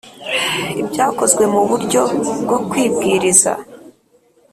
Ibyakozwe mu buryo bwo kwibwiriza